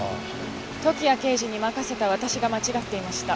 時矢刑事に任せた私が間違っていました。